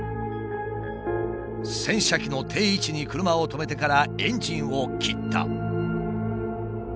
洗車機の定位置に車を止めてからエンジンを切った。